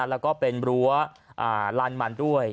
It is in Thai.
แล้วก็เป็นรั้วลานมันด้วย